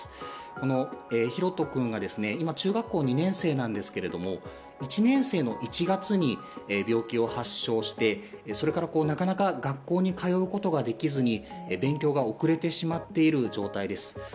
このひろと君が今、中学校２年生なんですけれども１年生の１月に病気を発症して、それからなかなか学校に通うことができずに勉強が遅れてしまっている状態です。